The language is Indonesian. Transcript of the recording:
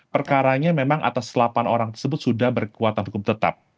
perkaranya memang atas delapan orang tersebut sudah berkekuatan hukum tetap